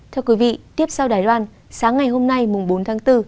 thưa quý vị tiếp sau đài loan sáng ngày hôm nay bốn tháng bốn